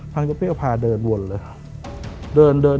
ทางเจ้าเป้ว่าพาเดินวนเลย